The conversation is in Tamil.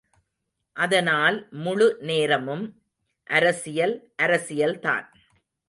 அதனால் முழு நேரமும் அரசியல், அரசியல்தான்.